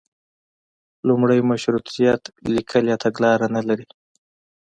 لومړی مشروطیت لیکلي تګلاره نه لري.